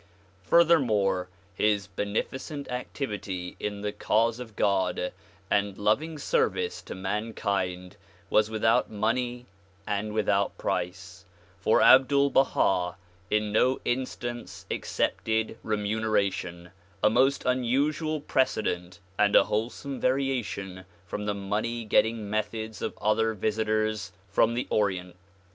Furthermore, his beneficent activity in the cause of God and loving service to mankind was without money and without price, for Abdul Baha in no instance accepted remuneration ;— a most unusual precedent and a wholesome variation from the money getting methods of other visitors from the Orient.